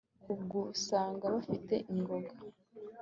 kugusanga bafite ingoga